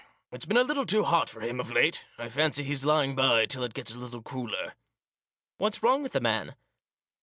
It's been a little too hot for him of late. I fancy he's lying by till it gets a little cooler." " What's wrong with the man